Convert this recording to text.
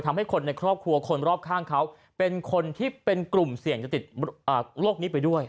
ทำให้คนในครอบครัวคนรอบข้างเขาเป็นคนที่เป็นกลุ่มเสี่ยงจะติดโรคนี้ไปด้วย